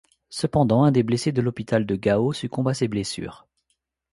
Cependant un des blessés de l'hôpital de Gao succombe à ses blessures.